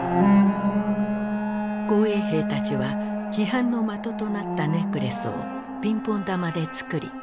紅衛兵たちは批判の的となったネックレスをピンポン玉で作り